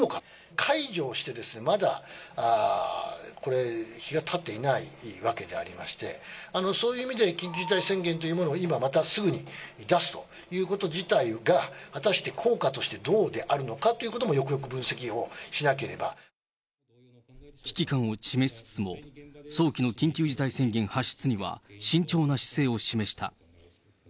解除をして、まだ日がたっていないわけでありまして、そういう意味で緊急事態宣言というものを今またすぐに出すということ自体が、果たして効果としてどうであるのかということもよくよく分析をし危機感を示しつつも、早期の緊急事態宣言発出には慎重な姿勢を示した。